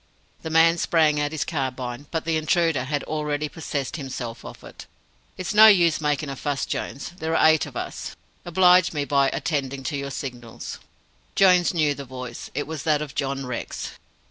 The man sprang at his carbine, but the intruder had already possessed himself of it. "It's no use making a fuss, Jones! There are eight of us. Oblige me by attending to your signals." Jones knew the voice. It was that of John Rex.